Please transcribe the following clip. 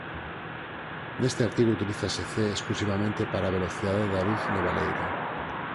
Neste artigo utilízase "c" exclusivamente para a velocidade da luz no baleiro.